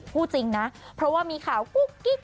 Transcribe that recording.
พูดจริงนะเพราะว่ามีข่าวกุ๊กกิ๊ก